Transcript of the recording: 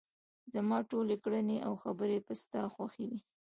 زما ټولې کړنې او خبرې به ستا خوښې وي.